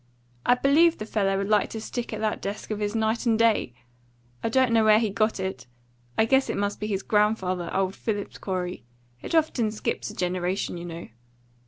I believe the fellow would like to stick at that desk of his night and day. I don't know where he got it. I guess it must be his grandfather, old Phillips Corey; it often skips a generation, you know.